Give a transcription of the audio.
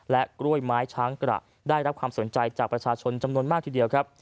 กล้วยไม้ช้างกระได้รับความสนใจจากประชาชนจำนวนมากทีเดียวครับ